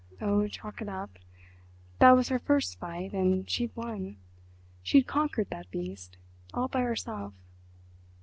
Oh, chalk it up. That was her first fight, and she'd won—she'd conquered that beast—all by herself.